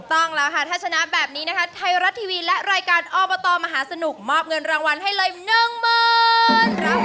ต้องแล้วค่ะถ้าชนะแบบนี้นะคะไทยรัตน์ทีวีและรายการอ้อมประตอมมหาสนุกมอบเงินรางวัลให้เลยหนึ่งหมื่นครับผม